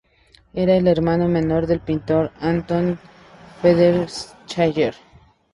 Era el hermano menor del pintor Anton Ferdinand Schaller.